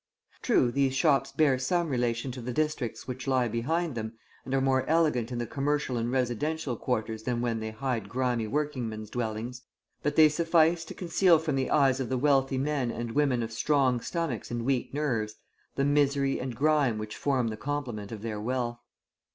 True, these shops bear some relation to the districts which lie behind them, and are more elegant in the commercial and residential quarters than when they hide grimy working men's dwellings; but they suffice to conceal from the eyes of the wealthy men and women of strong stomachs and weak nerves the misery and grime which form the complement of their wealth.